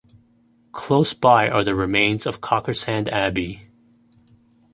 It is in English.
Close by are the remains of Cockersand Abbey.